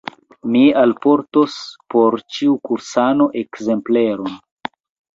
Mi alportos por ĉiu kursano ekzempleron.